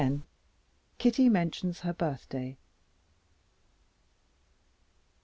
Kitty Mentions Her Birthday.